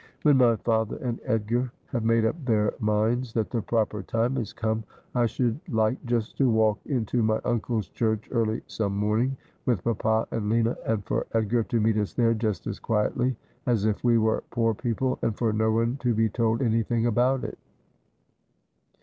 When my father and Edgar have made up their minds that the proper time has come, I should like just to walk into my uncle's church early some morning, with papa and Lina, and for Edgar to meet us there, just as quietly as if we were poor people, and for no one to be told anything about it.'